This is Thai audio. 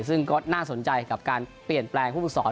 ซึ่งก็น่าสนใจกับการเปลี่ยนแปลงผู้ฝึกสอน